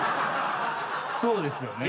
そうですよね。